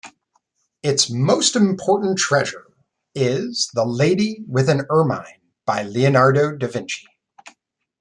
Its most important treasure is "The Lady with an Ermine" by Leonardo da Vinci.